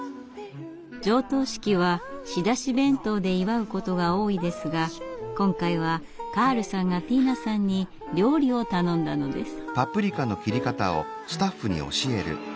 上棟式は仕出し弁当で祝うことが多いですが今回はカールさんがティーナさんに料理を頼んだのです。